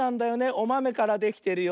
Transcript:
おまめからできてるよ。